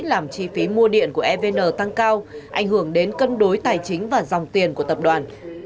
làm chi phí mua điện của evn tăng cao ảnh hưởng đến cân đối tài chính và dòng tiền của tập đoàn